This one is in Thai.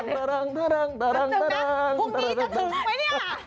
พรุ่งนี้จะถึงไหมเนี่ย